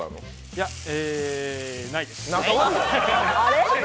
いや、ないです。